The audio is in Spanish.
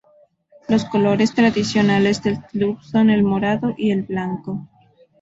Los colores tradicionales del club son el morado y el blanco.